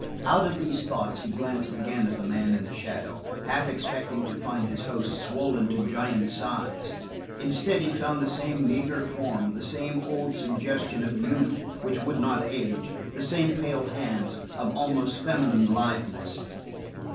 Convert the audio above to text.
Out of these thoughts he glanced again at the man in the shadow, half expecting to find his host swollen to giant size. Instead, he found the same meager form, the same old suggestion of youth which would not age, the same pale hands, of almost feminine litheness.